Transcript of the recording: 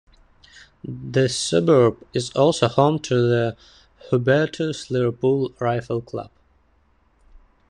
The suburb is also home to the Hubertus Liverpool Rifle Club.